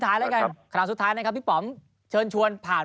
ท้ายแล้วกันครั้งสุดท้ายนะครับพี่ป๋อมเชิญชวนผ่าน